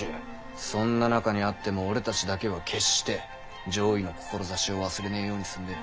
そんな中にあっても俺たちだけは決して攘夷の志を忘れねぇようにすんべぇ。